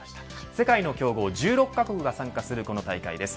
世界の強豪１６カ国が参加するこの大会です。